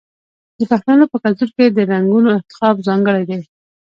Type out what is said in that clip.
د پښتنو په کلتور کې د رنګونو انتخاب ځانګړی دی.